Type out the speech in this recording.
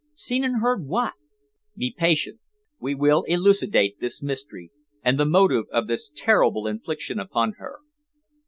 "Seen and heard what?" "Be patient; we will elucidate this mystery, and the motive of this terrible infliction upon her.